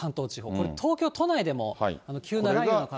これ東京都内でも、急な雷雨の可能性。